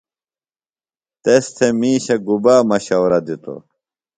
تس تھےۡ مِیشہ گُبا مشورہ دِتوۡ؟